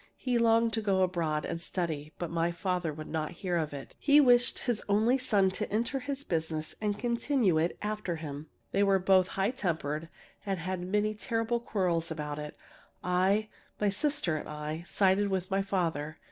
He longed to go abroad and study, but my father would not hear of it. He wished his only son to enter his business and continue it after him. They were both high tempered and had many terrible quarrels about it. I my sister and I sided with my father.